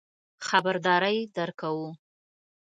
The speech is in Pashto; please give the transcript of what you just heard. خبرداری درکوو.